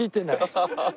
ハハハハ！